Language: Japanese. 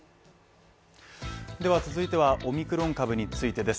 では続いては、オミクロン株についてです。